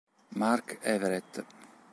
Mark Everett